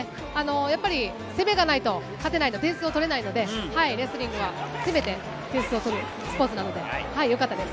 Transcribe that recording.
攻めがないと勝てない、点数を取れないので、レスリングは攻めて点数を取るスポーツです。